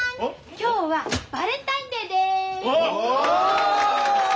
今日はバレンタインデーです！